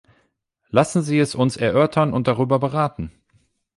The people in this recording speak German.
Lassen Sie es uns erörtern und darüber beraten.